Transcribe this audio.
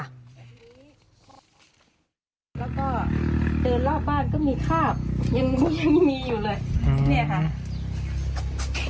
แล้วก็เดินรอบบ้านก็มีคาบยังมีอยู่เลยเนี่ยค่ะ